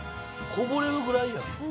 こぼれるぐらいやん。